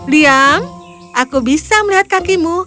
liam aku bisa melihat kakimu